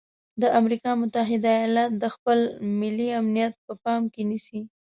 د امریکا متحده ایالات د خپل ملي امنیت په پام کې نیسي.